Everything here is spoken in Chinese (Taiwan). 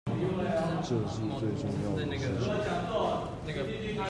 這是最重要的事情